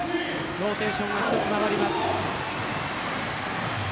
ローテーションが一つ回ります。